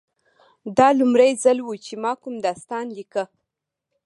دا لومړی ځل و چې ما کوم داستان لیکه